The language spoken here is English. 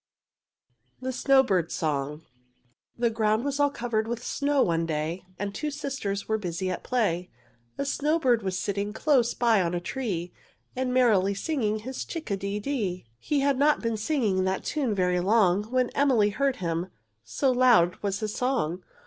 THE SNOWBIRD'S SONG The ground was all covered with snow, one day, And two little sisters were busy at play A snowbird was sitting close by on a tree, And merrily singing his chick a de dee! He had not been singing that tune very long, When Emily heard him, so loud was his song.